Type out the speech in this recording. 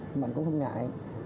nhưng mà anh cũng không ngại